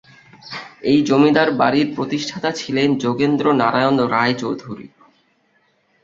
এই জমিদার বাড়ির প্রতিষ্ঠাতা ছিলেন যোগেন্দ্র নারায়ণ রায় চৌধুরী।